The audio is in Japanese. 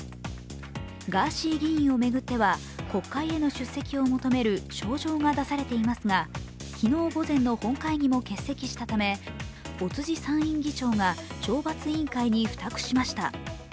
ガーシー議員を巡っては国会への出席を求める招状が出されていますが昨日午前の本会議も欠席したため、尾辻参院議長が懲罰委員会に負託しました。